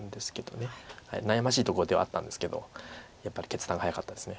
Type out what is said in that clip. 悩ましいところではあったんですけどやっぱり決断が早かったです。